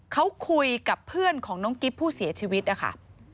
เขาคุยกับเพื่อนของน้องกิ๊บผู้เสียชีวิตนะคะ